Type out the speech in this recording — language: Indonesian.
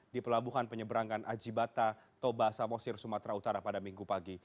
di pelabuhan penyeberangan ajibata toba samosir sumatera utara pada minggu pagi